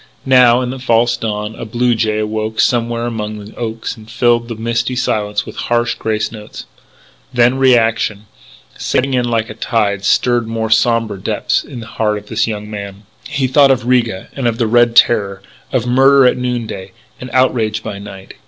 Now, in the false dawn, a blue jay awoke somewhere among the oaks and filled the misty silence with harsh grace notes. Then reaction, setting in like a tide, stirred more sombre depths in the heart of this young man. He thought of Riga; and of the Red Terror; of murder at noon day, and outrage by night.